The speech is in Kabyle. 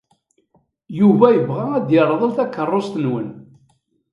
Yuba yebɣa ad yerḍel takeṛṛust-nwen.